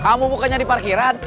kamu bukannya di parkiran